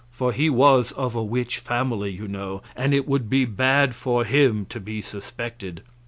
For he was of a witch family, you know, and it would be bad for him to be suspected.